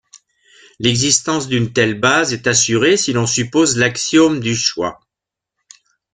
L'existence d'une telle base est assurée si l'on suppose l'axiome du choix.